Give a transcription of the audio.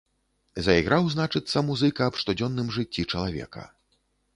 Зайграў, значыцца, музыка аб штодзённым жыцці чалавека.